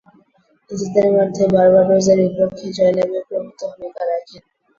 নিজেদের মাঠে বার্বাডোসের বিপক্ষে জয়লাভে প্রভূতঃ ভূমিকা রাখেন।